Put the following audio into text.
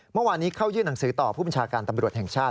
เมื่อวานนี้เข้ายื่นหนังสือต่อผู้บัญชาการตำรวจแห่งชาติ